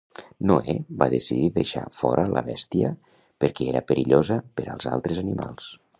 Noè va decidir deixar fora la bèstia perquè era perillosa per als altres animals